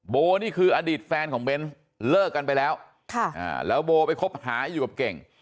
นี่คืออดีตแฟนของเบนส์เลิกกันไปแล้วแล้วโบไปคบหาอยู่กับเก่ง